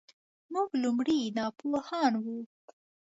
موږ لومړی ناپوهان وو .